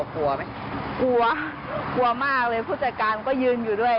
กลัวไหมกลัวกลัวมากเลยผู้จัดการก็ยืนอยู่ด้วย